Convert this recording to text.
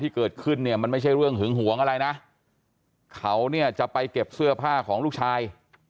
ที่เกิดขึ้นเนี่ยมันไม่ใช่เรื่องหึงหวงอะไรนะเขาเนี่ยจะไปเก็บเสื้อผ้าของลูกชาย